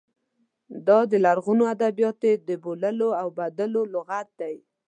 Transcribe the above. دا د لرغونو ادبیاتو د بوللو او بدلو لغت دی.